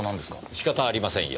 仕方ありませんよ。